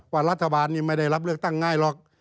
ว่ารัฐบาลนี้ไม่ได้รับเลือกตั้งง่ายหรอก